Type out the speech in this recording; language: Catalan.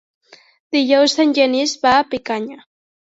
Dijous en Genís va a Picanya.